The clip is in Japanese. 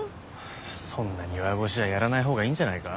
そんなに弱腰じゃやらない方がいいんじゃないか？